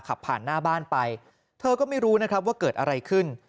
ขับผ่านหน้าบ้านไปเธอก็ไม่รู้นะครับว่าเกิดอะไรขึ้น